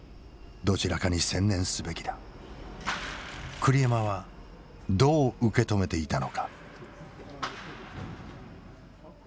栗山はどう受け止めていたのか。